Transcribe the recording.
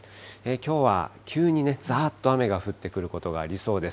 きょうは急にざーっと雨が降ってくることがありそうです。